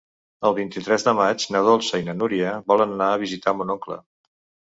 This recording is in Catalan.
El vint-i-tres de maig na Dolça i na Núria volen anar a visitar mon oncle.